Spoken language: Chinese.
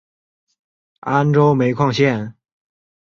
安州煤矿线